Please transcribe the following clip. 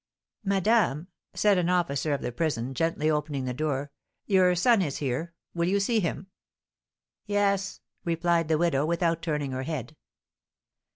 "Madame," said an officer of the prison, gently opening the door, "your son is here, will you see him?" "Yes," replied the widow, without turning her head.